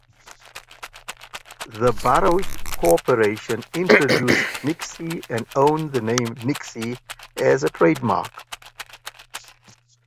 The Burroughs Corporation introduced "Nixie" and owned the name "Nixie" as a trademark.